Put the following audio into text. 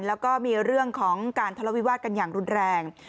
แล้วก็มีเรื่องของการทะเลาวิวาสกันอย่างรุนแรง